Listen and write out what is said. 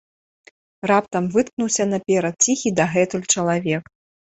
Раптам выткнуўся наперад ціхі дагэтуль чалавек.